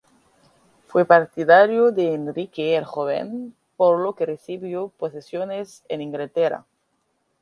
Fue partidario de Enrique el Joven, por lo que recibió posesiones en Inglaterra.